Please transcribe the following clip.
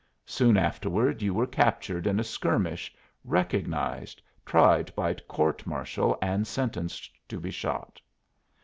Soon afterward you were captured in a skirmish, recognized, tried by court martial and sentenced to be shot.